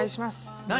何？